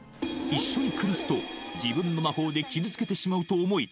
一緒に暮らすと自分の魔法で傷つけてしまうと思い